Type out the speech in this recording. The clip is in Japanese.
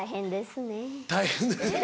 大変ですねぇ。